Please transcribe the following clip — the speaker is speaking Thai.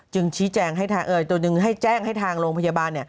จึงชี้แจ้งให้ทางตัวนึงแจ้งให้ทางโรงพยาบาล